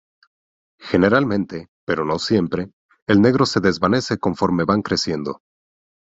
Generalmente, pero no siempre, el negro se desvanece conforme van creciendo.